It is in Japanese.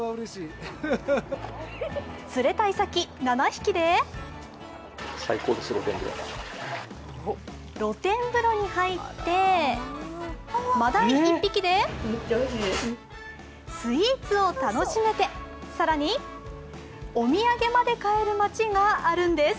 釣れたイサキ７匹で露天風呂に入って真だい１匹でスイーツを楽しめて、更にお土産まで買える街があるんです。